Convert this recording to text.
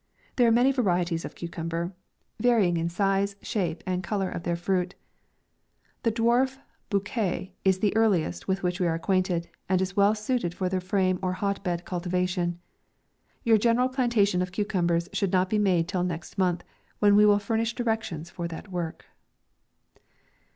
There are many varieties of the cucumber, varying in size, shape, and colour of their MAY 111 Mut. The dwarf Bouquet is the earliest with which we are acquainted, and is well suited for the frame or hot bed cultivation. Your general plantation of cucumbers should not be made till next month, when we will furnish directions for that work.